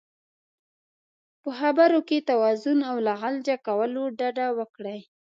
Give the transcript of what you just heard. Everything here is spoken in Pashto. په خبرو کې توازن او له عجله کولو ډډه وکړئ.